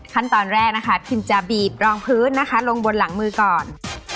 ขั้นตอนแรกนะคะพิมจะบีบรองพื้นนะคะลงบนหลังมือก่อน